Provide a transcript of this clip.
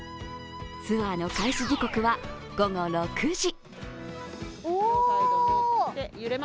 ツアーの開始時刻は午後６時。